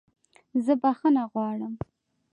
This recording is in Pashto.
زه بخښنه غواړم